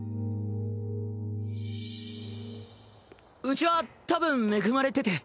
うちはたぶん恵まれてて。